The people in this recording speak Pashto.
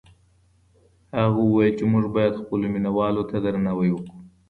هغه وویل چې موږ باید خپلو مینه والو ته درناوی وکړو.